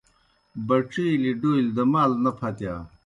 بڇِیلیْ ڈولیْ دہ مال نہ پھتِیا۔